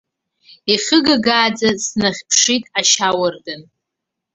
Ихыгагааӡа снахьԥшит ашьауардын.